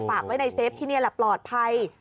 ฝากไว้ในเฟฟที่นี่แหละปลอดภัย